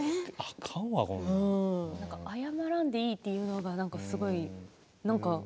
謝らんでいいっていうのがすごく。